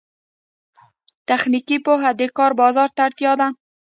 تخنیکي پوهه د کار بازار ته اړتیا ده